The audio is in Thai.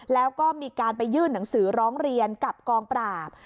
แล้วก็มีการไปยื่นหนังสือร้องเรียนกับกองปราบ